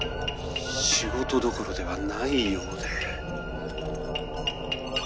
仕事どころではないようで。